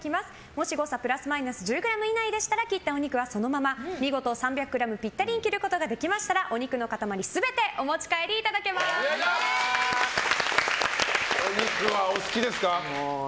もし誤差プラスマイナス１０ｇ以内でしたら切ったお肉をそのまま見事３００ｇピッタリに切ることができましたらお肉の塊お肉はお好きですか？